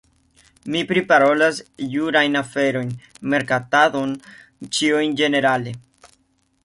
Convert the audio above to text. Mi priparolas jurajn aferojn, merkatadon, ĉion ĝenerale